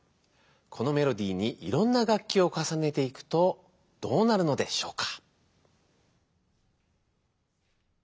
このメロディーにいろんな楽器をかさねていくとどうなるのでしょうか？